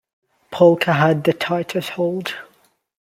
Polka had the tightest hold.